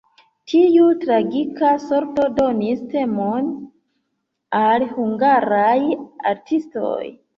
Tiu tragika sorto donis temon al hungaraj artistoj.